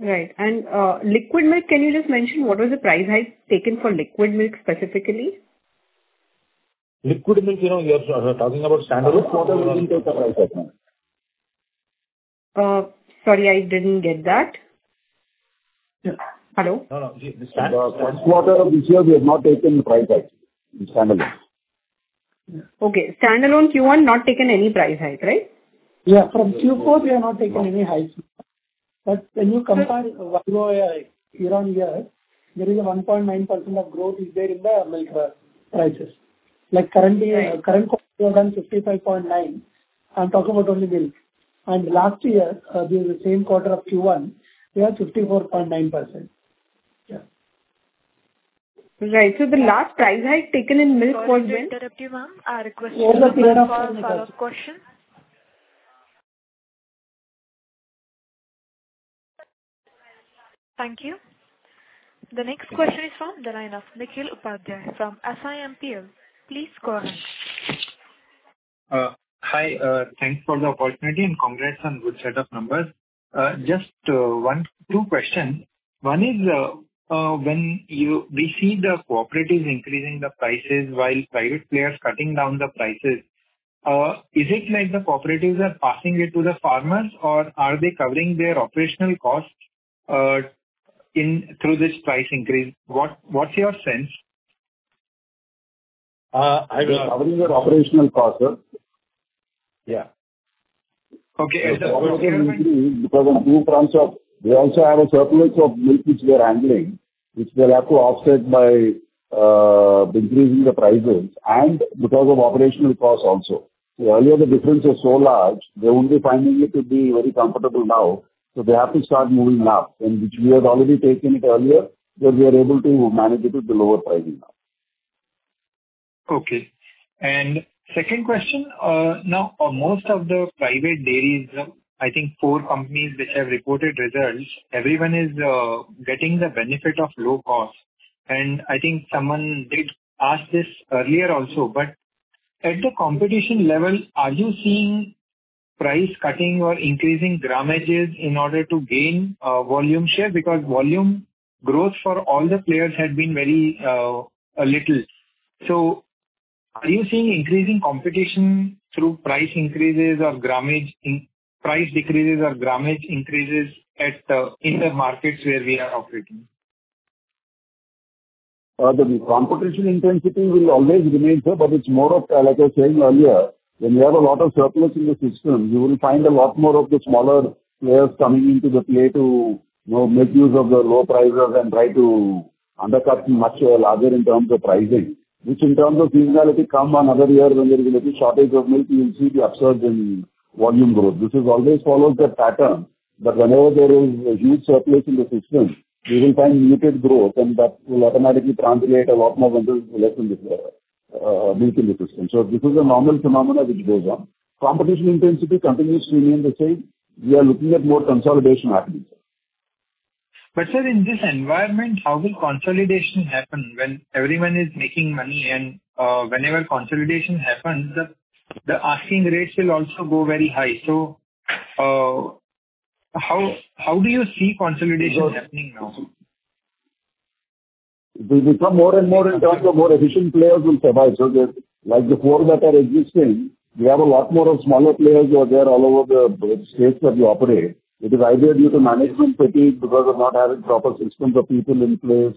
Right. And liquid milk, can you just mention what was the price taken for liquid milk specifically? Liquid milk, we are talking about standalone water? We didn't take a price tag. Sorry, I didn't get that. Hello? No, no. Standalone water this year, we have not taken a price tag. Standalone. Okay. Standalone Q1, not taken any price hike, right? Yeah. From Q4, we have not taken any hike. But when you compare year on year, there is a 1.9% of growth is there in the milk prices. Currently, current quarter we have done 65.9. I'm talking about only milk. And last year, during the same quarter of Q1, we had 54.9%. Yeah. Right. So the last price hike taken in milk was when? Interrupt you, ma'am. I requested to ask a follow-up question. Thank you. The next question is from the line of Nikhil Upadhyay from SIMPL. Please go ahead. Hi. Thanks for the opportunity and congrats on good set of numbers. Just two questions. One is, when we see the cooperatives increasing the prices while private players cutting down the prices, is it like the cooperatives are passing it to the farmers, or are they covering their operational costs through this price increase? What's your sense? I believe they're covering their operational costs. Yeah. Okay. Because of two fronts, we also have a surplus of milk which we are handling, which we'll have to offset by increasing the prices and because of operational costs also. So earlier, the difference was so large, they wouldn't be finding it to be very comfortable now. So they have to start moving up. And we had already taken it earlier, but we are able to manage it with the lower pricing now. Okay. And second question. Now, most of the private dairies, I think four companies which have reported results, everyone is getting the benefit of low cost. And I think someone did ask this earlier also. But at the competition level, are you seeing price cutting or increasing grammages in order to gain volume share? Because volume growth for all the players had been very little. So are you seeing increasing competition through price increases or grammage price decreases or grammage increases in the markets where we are operating? The competition intensity will always remain there, but it's more of, like I was saying earlier, when you have a lot of surplus in the system, you will find a lot more of the smaller players coming into the play to make use of the low prices and try to undercut much larger in terms of pricing, which in terms of seasonality come another year when there will be shortage of milk, you will see the upsurge in volume growth. This always follows that pattern. But whenever there is a huge surplus in the system, we will find muted growth, and that will automatically translate a lot more milk in the system. So this is a normal phenomenon which goes on. Competition intensity continues to remain the same. We are looking at more consolidation happening. But sir, in this environment, how will consolidation happen when everyone is making money? And whenever consolidation happens, the asking rates will also go very high. So how do you see consolidation happening now? It will become more and more in terms of more efficient players will survive. So like the four that are existing, we have a lot more of smaller players who are there all over the states that we operate. It is either due to management fatigue because of not having proper systems of people in place,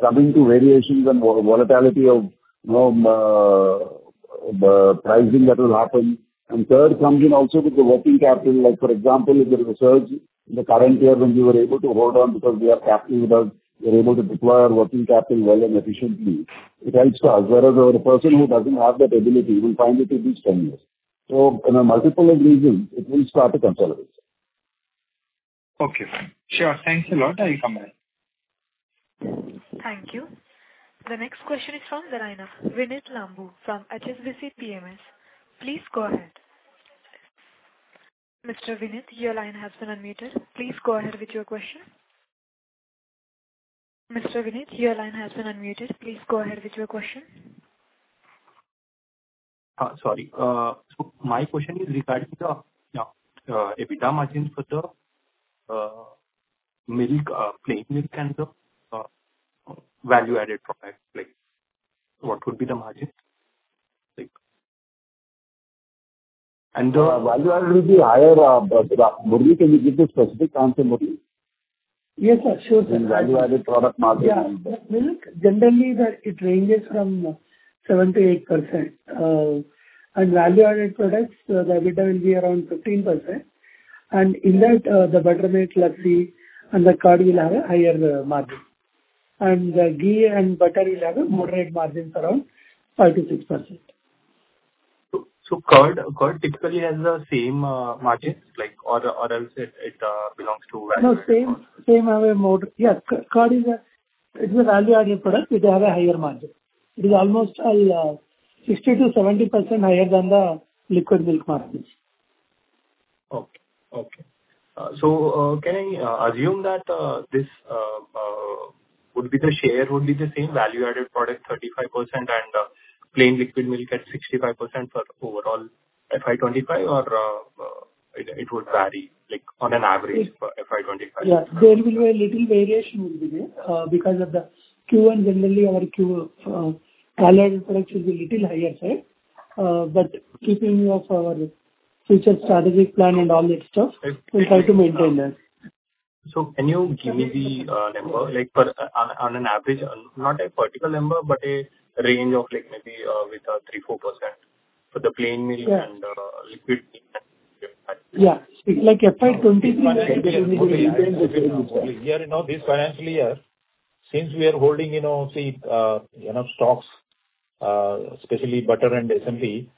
coming to variations and volatility of the pricing that will happen. And third comes in also with the working capital. For example, if there is a surge in the current year when we were able to hold on because we have capital with us, we're able to deploy our working capital well and efficiently. It helps us. Whereas a person who doesn't have that ability, you will find it will be strenuous. So in a multiple of reasons, it will start to consolidate. Okay. Sure. Thanks a lot, Nikhil Upadhyay. Thank you. The next question is from the line of Vineeth Lambu from HSBC PMS. Please go ahead. Mr. Vineeth, your line has been unmuted. Please go ahead with your question. Mr. Vineeth, your line has been unmuted. Please go ahead with your question. Sorry. My question is regarding the EBITDA margin for the milk, plain milk, and the value-added product play. What would be the margin? And the. Value-added will be higher, but would you be able to give me a specific answer, Murali? Yes, sure. Value-added product margin? Yeah. Milk, generally, it ranges from 7%-8%. And value-added products, the EBITDA will be around 15%. And in that, the buttermilk, lassi, and the curd will have a higher margin. And the ghee and butter will have a moderate margin around 5%-6%. So curd typically has the same margins, or else it belongs to value-added products? No, same as a moderate. Yeah. Curd is a value-added product, which has a higher margin. It is almost 60%-70% higher than the liquid milk margins. So can I assume that this would be the share would be the same value-added product 35% and plain liquid milk at 65% for overall FY 2025, or it would vary on average for FY 2025? Yeah. There will be a little variation with it because of the Q1, generally, our Q1 value-added products will be a little higher, right, but in keeping with our future strategic plan and all that stuff, we'll try to maintain that. Can you give me the number on an average, not a vertical number, but a range of maybe with 3%-4% for the plain milk and liquid milk? Yeah. Like FY 2023, Maybe a little bit higher than the year in this financial year. Since we are holding, see, enough stocks, especially butter and SMP,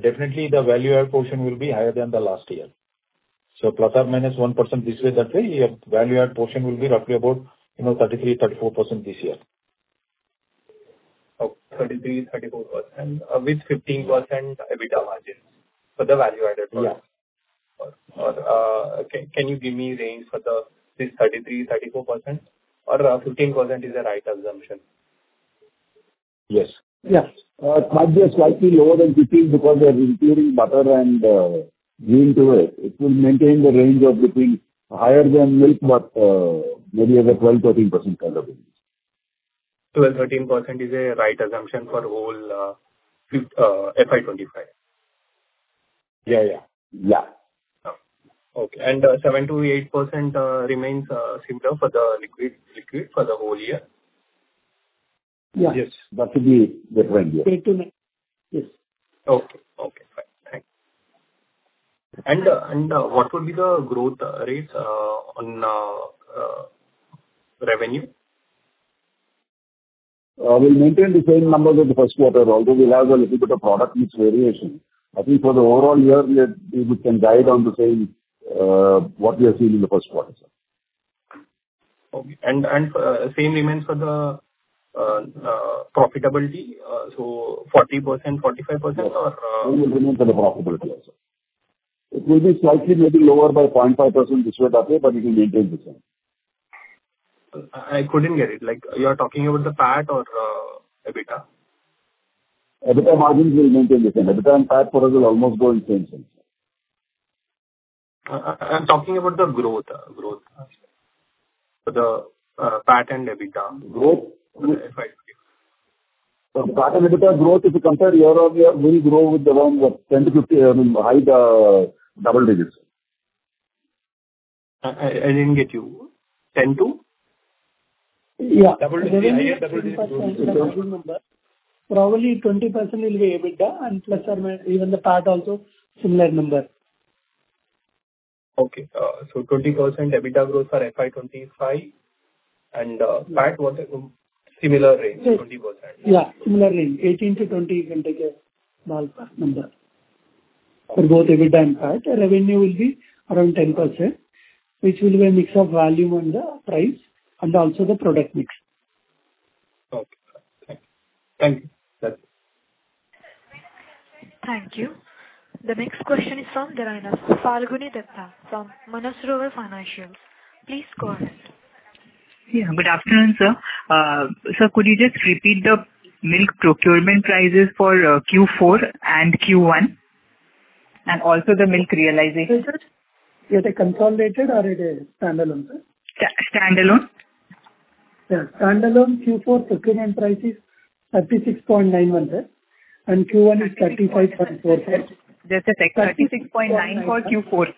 definitely the value-added portion will be higher than the last year. So plus or minus 1% this way, that way, your value-added portion will be roughly about 33%-34% this year. 33%-34% with 15% EBITDA margin for the value-added product? Yeah. Can you give me a range for this 33%-34%, or 15% is a right assumption? Yes. Yeah. It might be slightly lower than 15% because we are including butter and ghee into it. It will maintain the range of between higher than milk, but maybe at a 12%-13% gross margin. 12%-13% is a right assumption for whole FY 2025? Yeah, yeah. Yeah. Okay, and 7%-8% remains similar for the liquid for the whole year? Yes. Yes. That would be the range here. Okay. Thanks. What would be the growth rates on revenue? We'll maintain the same numbers of the first quarter. Although we'll have a little bit of product mix variation. I think for the overall year, we can guide on the same what we have seen in the first quarter. Okay. And same remains for the profitability? So 40%, 45%, or? Same will remain for the profitability also. It will be slightly maybe lower by 0.5% this way, that way, but it will maintain the same. I couldn't get it. You are talking about the PAT or EBITDA? EBITDA margins will maintain the same. EBITDA and PAT for us will almost go in the same sense. I'm talking about the growth. For the PAT and EBITDA. Growth? FY 2025. For PAT and EBITDA growth, if you compare year over year, we'll grow with around 10%-15%, I mean, high double digits. I didn't get you. 10 to? Yeah. Probably 20% will be EBITDA and plus or even the PAT also similar number. Okay. So 20% EBITDA growth for FY 2025. And PAT, what? Similar range, 20%? Yeah. Similar range. 18%-20%, you can take a ballpark number. For both EBITDA and PAT, revenue will be around 10%, which will be a mix of volume and the price and also the product mix. Okay. Thank you. Thank you. Thank you. The next question is from the line of Falguni Dutta from Mansarovar Financials. Please go ahead. Yeah. Good afternoon, sir. Sir, could you just repeat the milk procurement prices for Q4 and Q1? And also the milk realization? Yes. Yes. Is it consolidated or it is standalone, sir? Standalone. Yeah. Standalone Q4 procurement price is 36.91, sir. And Q1 is 35.45. Just a sec. INR 36.94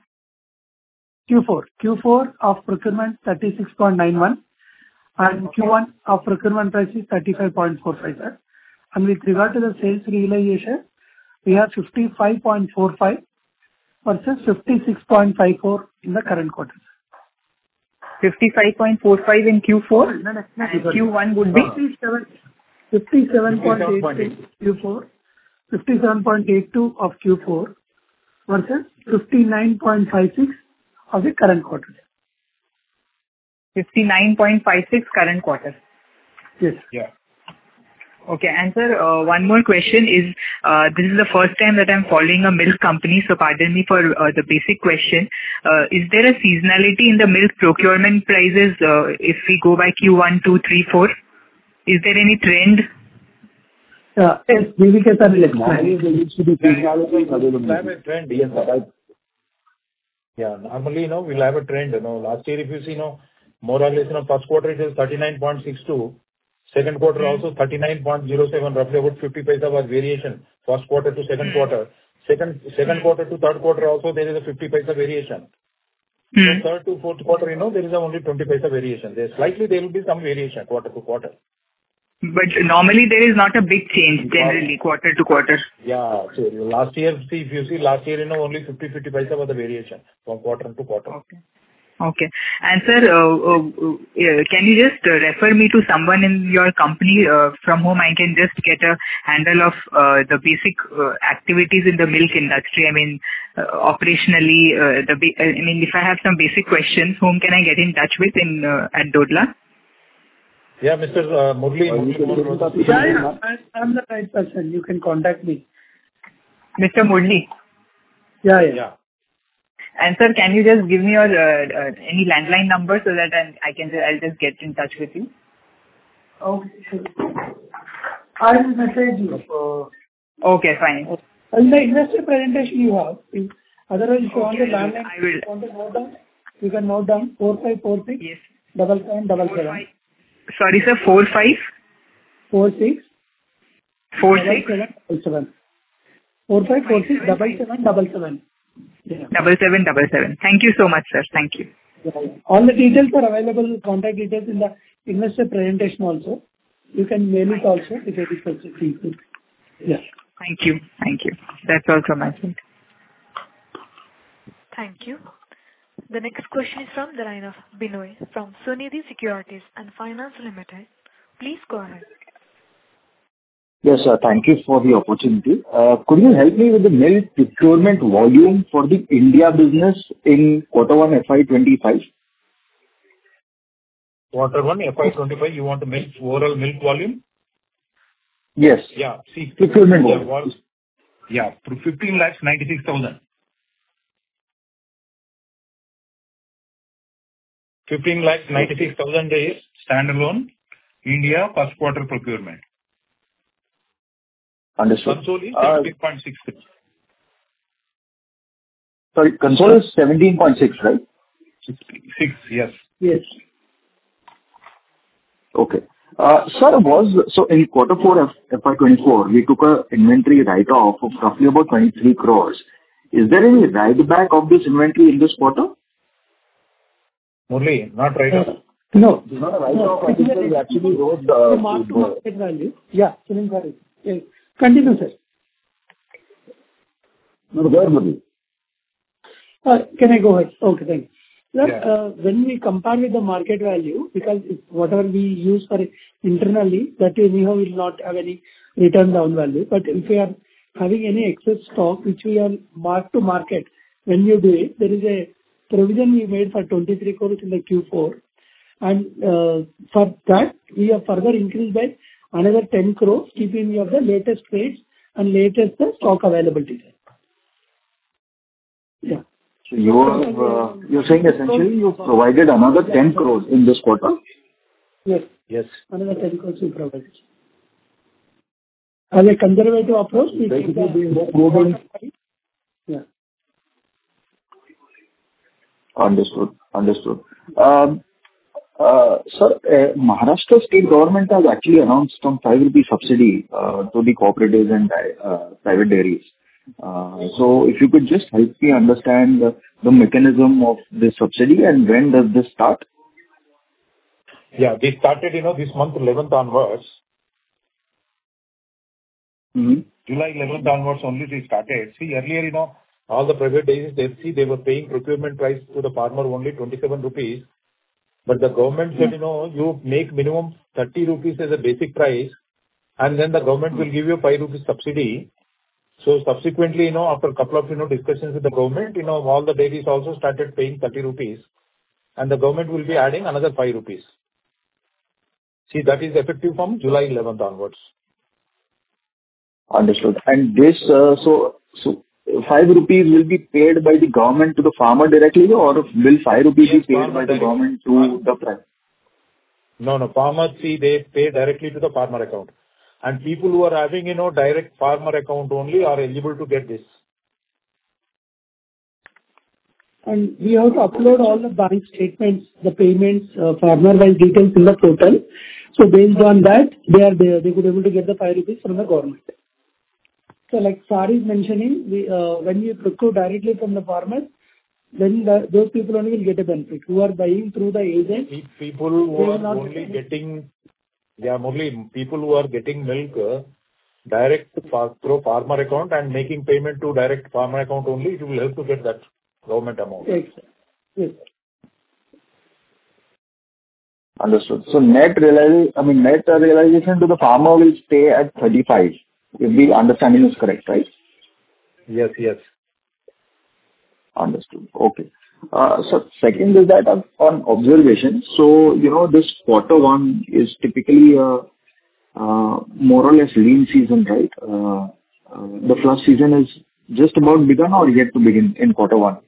Q4. Q4 of procurement, 36.91. Q1 of procurement price is 35.45, sir. With regard to the sales realization, we have 55.45 versus 56.54 in the current quarter. 55.45 in Q4? No. No. Q1 would be 57.86, Q4 57.82 of Q4 versus 59.56 of the current quarter. 59.56 current quarter. Yes. Yeah. Okay. Sir, one more question is this is the first time that I'm following a milk company, so pardon me for the basic question. Is there a seasonality in the milk procurement prices if we go by Q1, Q2, Q3, Q4? Is there any trend? Yes. Yeah. Normally, we'll have a trend. Last year, if you see, more or less, first quarter is 39.62. Second quarter also 39.07, roughly about 50 paisa first quarter to second quarter. Second quarter to third quarter also, there is a 50 paisa variation. So third to fourth quarter, there is only 20 paisa variation. Slightly, there will be some variation quarter to quarter. Normally, there is not a big change, generally, quarter to quarter. Yeah. Last year, if you see, last year, only 0.50 was the variation from quarter to quarter. Okay. Okay. And sir, can you just refer me to someone in your company from whom I can just get a handle of the basic activities in the milk industry? I mean, operationally, I mean, if I have some basic questions, whom can I get in touch with at Dodla? Yeah. Mr. Murali. Sir, I'm the right person. You can contact me. Mr. Murali? Yeah, yeah. Sir, can you just give me any landline number so that I'll just get in touch with you? Okay. I will message you. Okay. Fine. The investor presentation you have. Otherwise, if you want the landline, you can note down 4546 7777. Sorry, sir. 45? 46. 7777. 4546 7777. Thank you so much, sir. Thank you. All the details are available. Contact details in the investor presentation also. You can mail it also if it is possible. Yes. Thank you. Thank you. That's all from my side. Thank you. The next question is from the line of Binoy from Sunidhi Securities & Finance Limited. Please go ahead. Yes, sir. Thank you for the opportunity. Could you help me with the milk procurement volume for the India business in quarter one FY 2025? Quarter one FY 2025, you want the overall milk volume? Yes. Yeah. Procurement volume. Yeah. 1,596,000. 1,596,000 is standalone India first quarter procurement. Understood. Consol is 17.6. Sorry. Consol is 17.6, right? 6. Yes. Yes. Okay. Sir, so in quarter four of FY 2024, we took an inventory write-off of roughly about 23 crore. Is there any write-back of this inventory in this quarter? Murali, not write-off. No. There's not a write-off. I think that we actually wrote the. Market value. Yeah. Continue, sir. Go ahead, Murali. Can I go ahead? Okay. Thank you. When we compare with the market value, because whatever we use internally, that we will not have any write-down value. But if we are having any excess stock, which we are marked to market when you do it, there is a provision we made for 23 crore in the Q4. And for that, we have further increased by another 10 crore, keeping in view of the latest rates and latest stock availability. Yeah. So you're saying essentially you provided another 10 crore in this quarter? Yes. Yes. Another 10 crore we provided. As a conservative approach, we can keep the. Understood. Understood. Sir, Maharashtra state government has actually announced some 5 rupee subsidy to the cooperatives and private dairies. So if you could just help me understand the mechanism of this subsidy and when does this start? Yeah. We started this month 11th onwards. July 11th onwards only we started. See, earlier, all the private dairies, they were paying procurement price to the farmer only 27 rupees. But the government said, "You make minimum 30 rupees as a basic price, and then the government will give you 5 rupees subsidy." So subsequently, after a couple of discussions with the government, all the dairies also started paying 30 rupees, and the government will be adding another 5 rupees. See, that is effective from July 11th onwards. Understood. And so 5 rupees will be paid by the government to the farmer directly, or will 5 rupees be paid by the government to the farmer? No, no. Farmer, see, they pay directly to the farmer account. And people who are having direct farmer account only are eligible to get this. We have to upload all the bank statements, the payments, farmer-wise details in the portal. So based on that, they are there. They could be able to get the 5 rupees from the government. So like Sir mentioning, when you procure directly from the farmers, then those people only will get a benefit. Who are buying through the agents. People who are only getting. They will not get. Yeah. Murali, people who are getting milk direct through farmer account and making payment to direct farmer account only, it will help to get that government amount. Yes. Yes. Understood. So net realization, I mean, net realization to the farmer will stay at 35. If the understanding is correct, right? Yes. Yes. Understood. Okay. So second is that on observation. So this quarter one is typically more or less lean season, right? The flush season is just about begun or yet to begin in quarter one.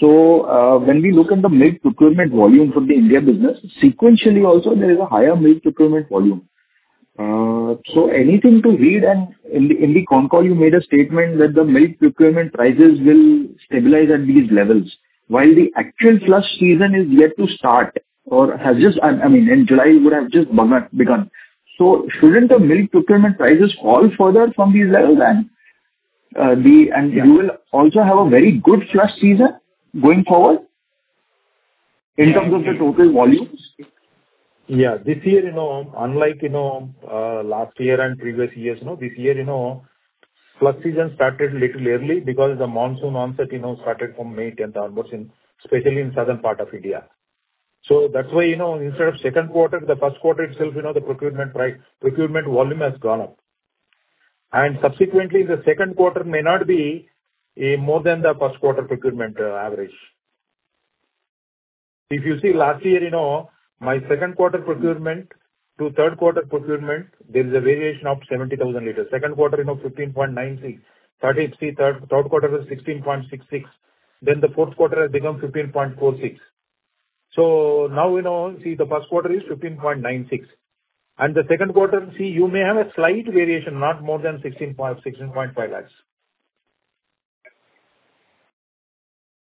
So when we look at the milk procurement volume for the India business, sequentially also, there is a higher milk procurement volume. So anything to read in the con call, you made a statement that the milk procurement prices will stabilize at these levels while the actual flush season is yet to start or has just, I mean, in July would have just begun. So shouldn't the milk procurement prices fall further from these levels? And you will also have a very good flush season going forward in terms of the total volumes? Yeah. This year, unlike last year and previous years, this year, flush season started a little early because the monsoon onset started from May 10th onwards, especially in the southern part of India. So that's why instead of second quarter, the first quarter itself, the procurement volume has gone up. And subsequently, the second quarter may not be more than the first quarter procurement average. If you see, last year, my second quarter procurement to third quarter procurement, there is a variation of 70,000 liters. Second quarter, 15.93. Third quarter is 16.66. Then the fourth quarter has become 15.46. So now, see, the first quarter is 15.96. And the second quarter, see, you may have a slight variation, not more than 16.5 lakh.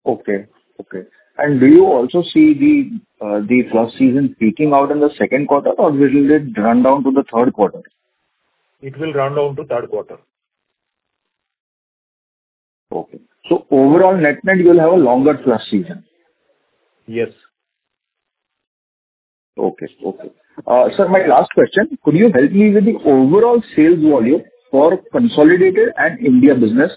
Okay. Okay. And do you also see the flush season peaking out in the second quarter, or will it run down to the third quarter? It will run down to third quarter. Okay. So overall, net net, you'll have a longer flush season? Yes. Okay. Okay. Sir, my last question. Could you help me with the overall sales volume for consolidated and India business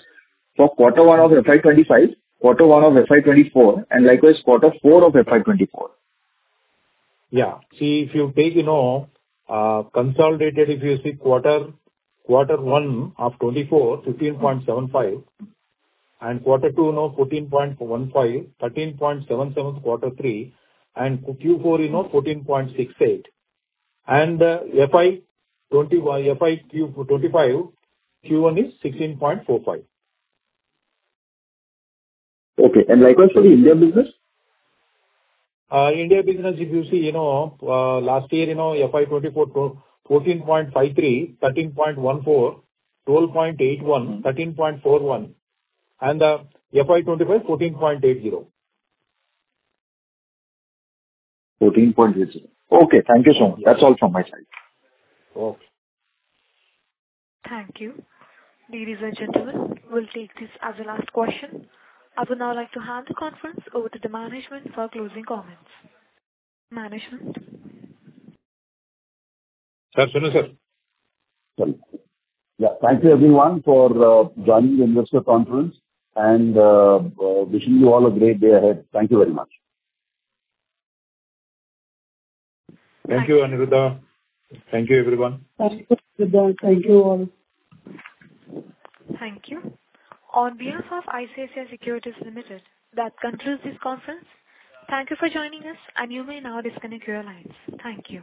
for quarter one of FY 2025, quarter one of FY 2024, and likewise, quarter four of FY 2024? Yeah. See, if you take consolidated, if you see quarter one of 2024, 15.75, and quarter two 14.15, 13.77 quarter three, and Q4 14.68, and FY 2025 Q1 is 16.45. Okay. And likewise for the India business? India business, if you see, last year, FY 2024, 14.53, 13.14, 12.81, 13.41, and FY 2025, 14.80. Okay. Thank you so much. That's all from my side. Okay. Thank you. Ladies and gentlemen, we'll take this as a last question. I would now like to hand the conference over to the management for closing comments. Management. Sir, sir. Yeah. Thank you, everyone, for joining the investor conference and wishing you all a great day ahead. Thank you very much. Thank you, Aniruddha. Thank you, everyone. Thank you, Aniruddha. Thank you all. Thank you. On behalf of ICICI Securities Limited, that concludes this conference. Thank you for joining us, and you may now disconnect your lines. Thank you.